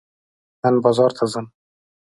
نن بازار ته ځم.